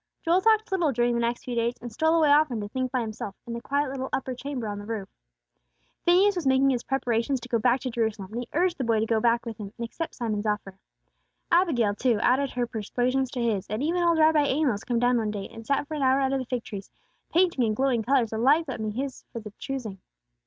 Joel talked little during the next few days, and stole away often to think by himself, in the quiet little upper chamber on the roof. Phineas was making his preparations to go back to Jerusalem; and he urged the boy to go back with him, and accept Simon's offer. Abigail, too, added her persuasions to his; and even old Rabbi Amos came down one day, and sat for an hour under the fig trees, painting in glowing colors the life that might be his for the choosing.